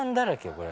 これ。